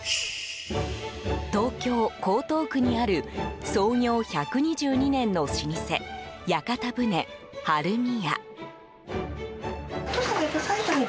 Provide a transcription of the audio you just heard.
東京・江東区にある創業１２２年の老舗屋形船晴海屋。